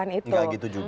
nggak gitu juga